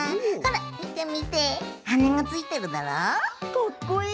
かっこいい！